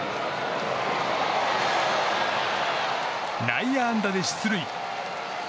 内野安打で出塁。